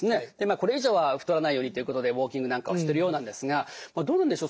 これ以上は太らないようにということでウォーキングなんかをしてるようなんですがどうなんでしょう？